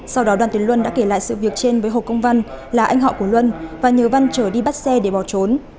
sau đó đoàn tiến luân đã kể lại sự việc trên với hồ công văn là anh họ của luân và nhờ văn trở đi bắt xe để bỏ trốn